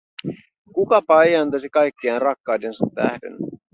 Kukapa ei antaisi kaikkeaan rakkaidensa tähden?